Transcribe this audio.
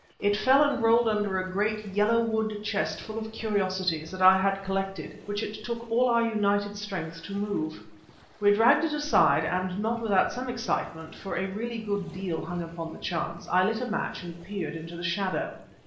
It fell and rolled under a great, yellow wood chest full of curiosities that I had collected, which it took all our united strength to move. We dragged it aside and not without some excitement, for really a good deal hung upon the chance, I lit a match and peered into the shadow.